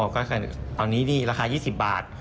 อ๋อก็คือตอนนี้ราคา๒๐บาท